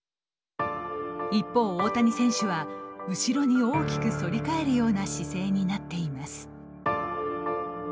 一方大谷選手は後ろに大きく反り返るような姿勢になっています。